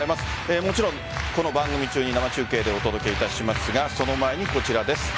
もちろん、この番組中に生中継でお届けしますがその前にこちらです。